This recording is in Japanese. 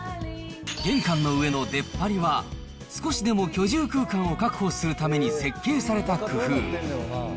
玄関の上の出っ張りは、少しでも居住空間を確保するために設計された工夫。